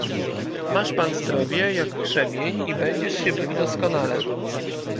"Masz pan zdrowie, jak krzemień, i będziesz się bił doskonale."